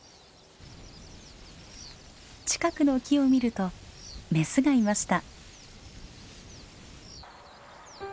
近くの木を見るとメスがいました。